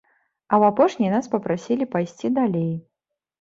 А ў апошняй нас папрасілі пайсці далей.